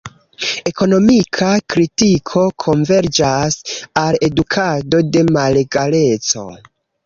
Ekonomika kritiko konverĝas al edukado de malegaleco.